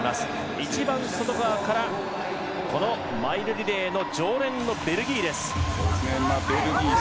１番外側から、このマイルリレー常連のベルギーです。